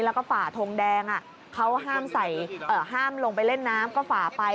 แล้วก็ฝ่าทงแดงเขาห้ามลงไปเล่นน้ำก็ฝ่าไป